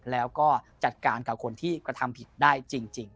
แล้วก็จัดการกับคนที่กระทำผิดได้จริง